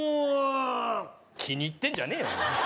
気に入ってんじゃねえよ